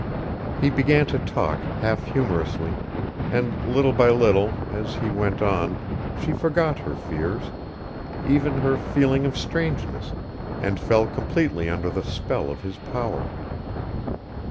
He began to talk, half humorously, and little by little, as he went on, she forgot her fears, even her feeling of strangeness, and fell completely under the spell of his power.